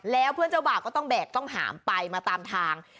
แล้วเพื่อนเจ้าบ่าวก็ต้องแบกต้องหามไปมาตามทาง